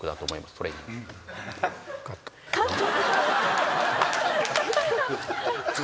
カット。